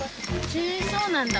そうなんだ。